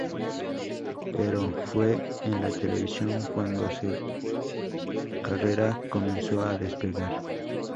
Pero fue en la televisión cuando se carrera comenzó a despegar.